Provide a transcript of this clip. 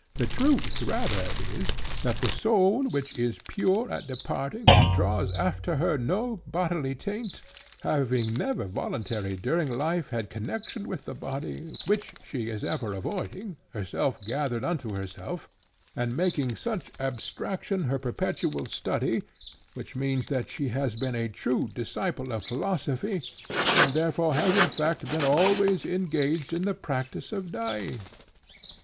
The truth rather is, that the soul which is pure at departing and draws after her no bodily taint, having never voluntarily during life had connection with the body, which she is ever avoiding, herself gathered into herself;—and making such abstraction her perpetual study—which means that she has been a true disciple of philosophy; and therefore has in fact been always engaged in the practice of dying?